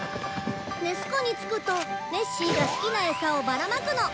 ネス湖に着くとネッシーが好きなエサをばらまくの。